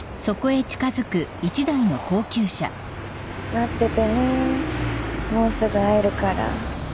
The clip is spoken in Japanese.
待っててねもうすぐ会えるから。